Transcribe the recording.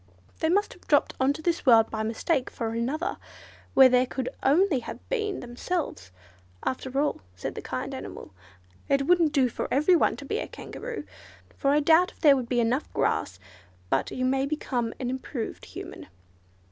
They must have dropped on to this world by mistake for another, where there could only have been themselves. After all," said the kind animal, "It wouldn't do for every one to be a Kangaroo, for I doubt if there would be enough grass; but you may become an improved Human."